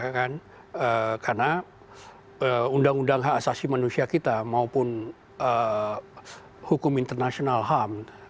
karena undang undang hak asasi manusia kita maupun hukum international harm